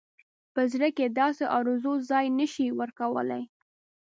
په زړه کې داسې آرزو ځای نه شي ورکولای.